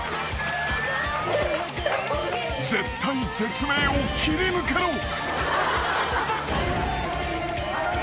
［絶体絶命を切り抜けろ］